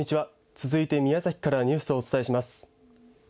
続いて宮崎からニュースをお伝えします。